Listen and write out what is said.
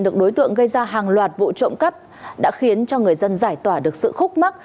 được đối tượng gây ra hàng loạt vụ trộm cắp đã khiến cho người dân giải tỏa được sự khúc mắc